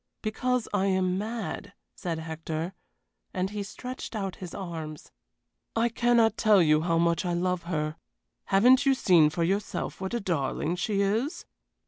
"Because I am mad," said Hector, and he stretched out his arms. "I cannot tell you how much I love her. Haven't you seen for yourself what a darling she is?